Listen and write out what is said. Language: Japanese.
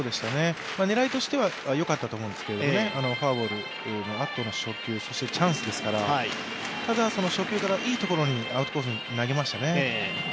狙いとしてはよかったと思うんですけれども、フォアボールのあとの初球そしてチャンスですから、ただ、初球からいいところ、アウトコースに投げましたね。